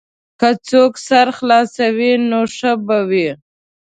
که څوک سر خلاصوي نو ښه به وي.